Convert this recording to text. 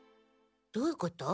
どういうこと？